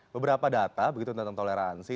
beberapa data begitu tentang toleransi